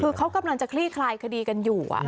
คือเขากำลังจะคลี่คลายคดีกันอยู่